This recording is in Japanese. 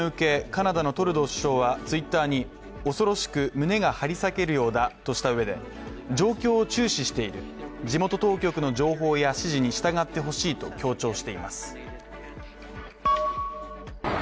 カナダのトルドー首相はＴｗｉｔｔｅｒに、恐ろしく胸が張り裂けそうだとしたうえで状況を注視している地元当局の情報や指示に従ってほしいと強調しています。